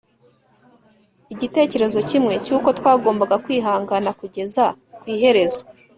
igitekerezo kimwe cy uko twagombaga kwihangana kugeza ku iherezo